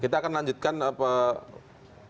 kita akan lanjutkan diskusi kita malam ini